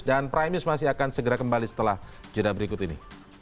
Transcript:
dan prime news masih akan segera kembali setelah jadwal berikut ini